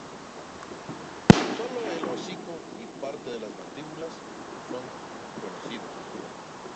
Sólo el hocico y parte de las mandíbulas son conocidos.